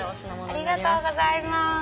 ありがとうございます。